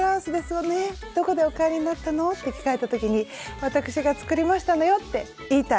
どこでお買いになったの？」って聞かれた時に「わたくしが作りましたのよ！」って言いたい！